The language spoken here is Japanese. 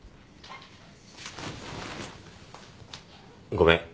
ごめん。